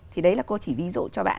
thì đấy là cô chỉ ví dụ cho bạn